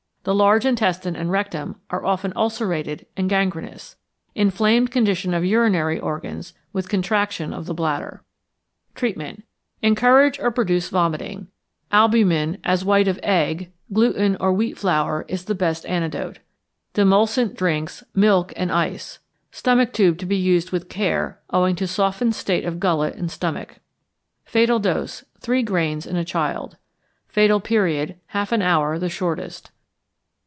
The large intestine and rectum are often ulcerated and gangrenous. Inflamed condition of urinary organs, with contraction of the bladder. Treatment. Encourage or produce vomiting. Albumin, as white of egg, gluten, or wheat flour, is the best antidote. Demulcent drinks, milk, and ice. Stomach tube to be used with care, owing to softened state of gullet and stomach. Fatal Dose. Three grains in a child. Fatal Period. Half an hour the shortest.